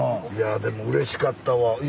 いやでもうれしかったわ。